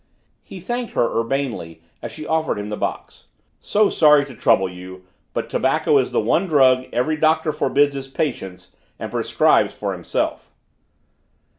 He thanked her urbanely as she offered him the box. "So sorry to trouble you but tobacco is the one drug every Doctor forbids his patients and prescribes for himself."